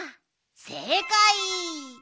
せいかい！